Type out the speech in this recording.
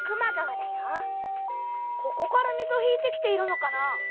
ここから水を引いてきているのかな？